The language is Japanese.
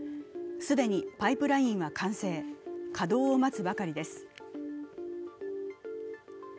既にパイプラインは完成、稼働を待つばかりです。